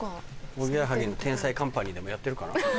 おぎやはぎの『天才‼カンパニー』でもやってるかな。